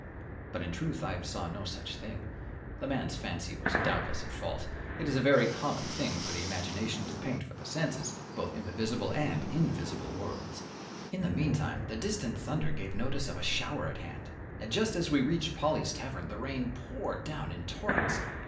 But in truth I saw no such thing. The man's fancy was doubtless at fault. It is a very common thing for the imagination to paint for the senses, both in the visible and invisible world. In the meantime the distant thunder gave notice of a shower at hand, and just as we reached Polley's tavern the rain poured down in torrents.